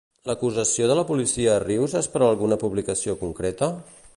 L'acusació de la policia a Rius és per alguna publicació concreta?